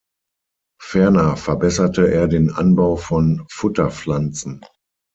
Ferner verbesserte er den Anbau von Futterpflanzen.